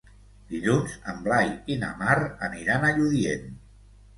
Dilluns en Blai i na Mar aniran a Lludient.